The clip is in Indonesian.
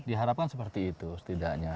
diharapkan seperti itu setidaknya